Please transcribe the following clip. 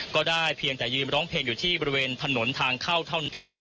ก็ได้เพียงแต่ยืนร้องเพลงอยู่ที่บริเวณถนนทางเข้าเท่านั้น